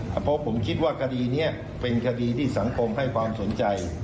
เพราะผมคิดว่าคดีนี้เป็นคดีที่สังคมให้ความสนใจ